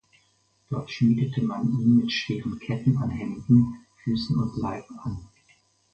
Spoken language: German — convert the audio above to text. Dort schmiedete man ihn mit schweren Ketten an Händen, Füßen und Leib an.